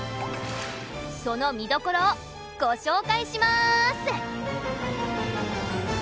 その見どころをご紹介します。